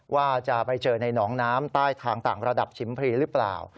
ว่าจะไปเจอในหนองน้ำใต้ทางต่างระดับชิมพรีหรือเปล่า